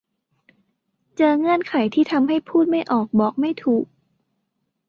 เจอเงื่อนไขที่ทำให้พูดไม่ออกบอกไม่ถูก